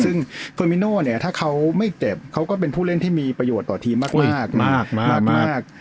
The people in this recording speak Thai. ซึ่งเทอร์มิโน่เนี่ยถ้าเขาไม่เจ็บเขาก็เป็นผู้เล่นที่มีประโยชน์ต่อทีมมากมาก